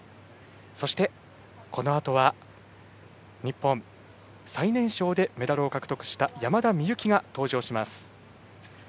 そして、このあとは日本、最年少でメダルを獲得した山田美幸が登場します。